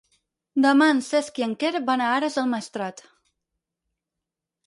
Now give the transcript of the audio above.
Demà en Cesc i en Quer van a Ares del Maestrat.